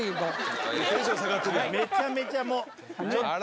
めちゃめちゃもうちょっと。